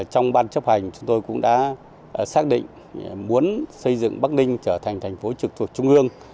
trong ban chấp hành chúng tôi cũng đã xác định muốn xây dựng bắc ninh trở thành thành phố trực thuộc trung ương